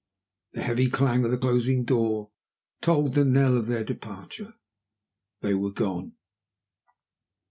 The heavy clang of the closing door tolled the knell of their departure. They were gone.